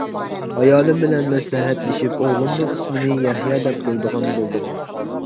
ئايالىم بىلەن مەسلىھەتلىشىپ، ئوغلۇمنىڭ ئىسمىنى «يەھيا» دەپ قويىدىغان بولدۇق.